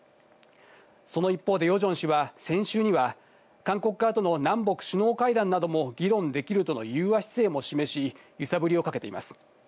その一方でヨジョン氏は先週には韓国側との南北首脳会談なども議論できるとの融和姿勢も示し、揺さぶりをかけています。